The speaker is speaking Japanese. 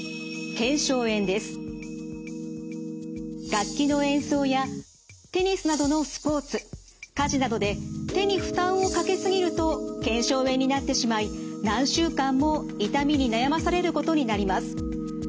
楽器の演奏やテニスなどのスポーツ家事などで手に負担をかけ過ぎると腱鞘炎になってしまい何週間も痛みに悩まされることになります。